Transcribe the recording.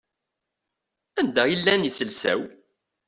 Anda i llan yiselsa-w?